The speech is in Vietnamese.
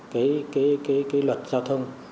cái luật giao thông